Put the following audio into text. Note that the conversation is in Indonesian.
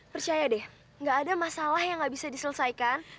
percaya deh gak ada masalah yang nggak bisa diselesaikan